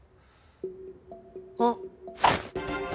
あっ！